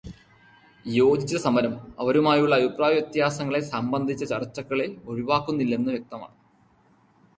യോജിച്ച സമരം അവരുമായുള്ള അഭിപ്രായവ്യത്യാസങ്ങളെ സംബന്ധിച്ച ചർച്ചകളെ ഒഴിവാക്കുന്നില്ലെന്ന് വ്യക്തമാണ്.